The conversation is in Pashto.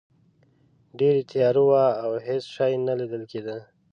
ډیره تیاره وه او هیڅ شی نه لیدل کیده.